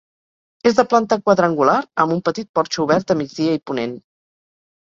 És de planta quadrangular amb un petit porxo obert a migdia i ponent.